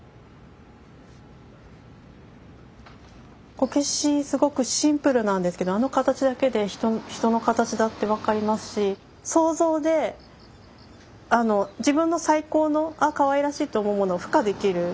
こけしすごくシンプルなんですけどあの形だけで人の形だって分かりますし想像で自分の最高の「あかわいらしい」と思うものを付加できる。